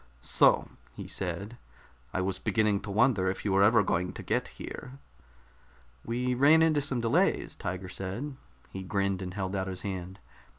"So!" he said. "I was beginning to wonder if you were ever going to get here." "We ran into some delays," Tiger said. He grinned and held out his hand.